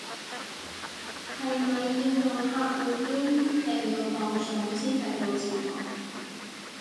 係咪要用客戶端定要磅水先睇到字幕